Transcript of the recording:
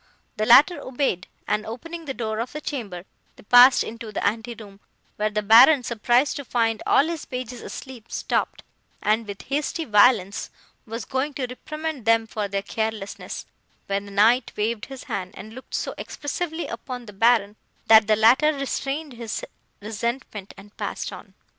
The latter obeyed, and, opening the door of the chamber, they passed into the ante room, where the Baron, surprised to find all his pages asleep, stopped, and, with hasty violence, was going to reprimand them for their carelessness, when the Knight waved his hand, and looked so expressively upon the Baron, that the latter restrained his resentment, and passed on.